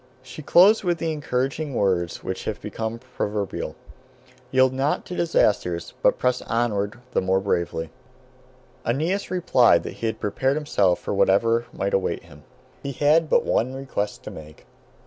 She closed with the encouraging words which have become proverbial: "Yield not to disasters, but press onward the more bravely." [Footnote: See Proverbial Expressions.] Aeneas replied that he had prepared himself for whatever might await him. He had but one request to make.